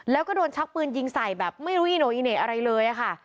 แล้วก็โดนชักปืนยิงใส่แบบไม่รู้อีโนอิเน่อะไรเลยค่ะ